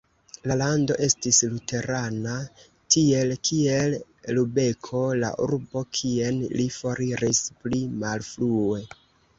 La lando estis luterana, tiel kiel Lubeko, la urbo kien li foriris pli malfrue.